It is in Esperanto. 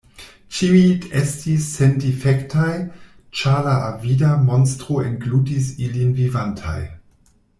Ĉiuj estis sendifektaj, ĉar la avida monstro englutis ilin vivantaj.